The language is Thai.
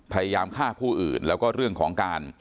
พยายามฆ่าผู้อื่นแล้วก็เรื่องของการ